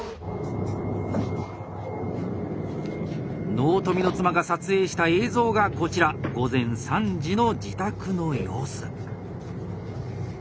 納富の妻が撮影した映像がこちら午前３時の自宅の様子。